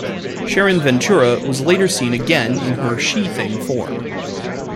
Sharon Ventura was later seen again in her She-Thing form.